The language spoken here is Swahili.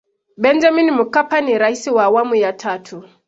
benjamin mkapa ni rais wa awamu ya tatu